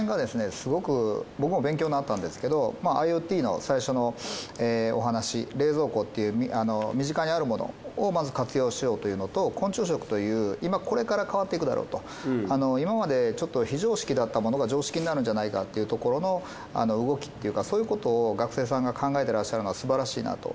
すごく僕も勉強になったんですけどＩｏＴの最初のお話冷蔵庫っていう身近にあるものをまず活用しようというのと昆虫食という今これから変わっていくだろうと今までちょっとなるんじゃないかっていうところの動きっていうかそういうことを学生さんが考えてらっしゃるのはすばらしいなと。